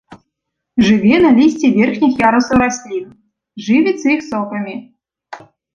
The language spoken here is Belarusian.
Жыве на лісці верхніх ярусаў раслін, жывіцца іх сокамі.